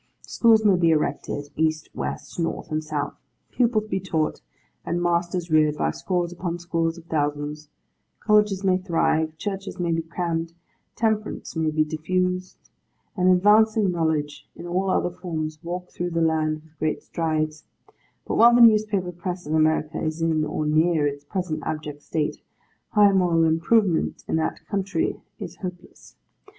Schools may be erected, East, West, North, and South; pupils be taught, and masters reared, by scores upon scores of thousands; colleges may thrive, churches may be crammed, temperance may be diffused, and advancing knowledge in all other forms walk through the land with giant strides: but while the newspaper press of America is in, or near, its present abject state, high moral improvement in that country is hopeless.